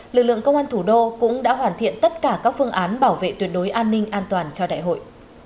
lực lượng công an thủ đô cũng đã hoàn thiện tất cả các phương án bảo vệ tuyệt đối an ninh an toàn cho đại hội